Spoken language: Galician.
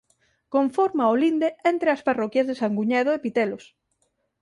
Conforma o linde entre as parroquias de Sanguñedo e Pitelos.